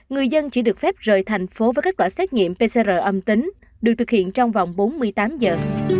người dân chỉ được phép rời thành phố với các loại xét nghiệm pcr âm tính được thực hiện trong vòng bốn mươi tám giờ